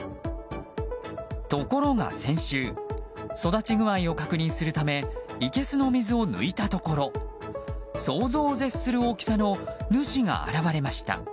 ところが先週育ち具合を確認するためいけすの水を抜いたところ想像を絶する大きさの主が現れました。